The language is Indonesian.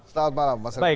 selamat malam mas hendri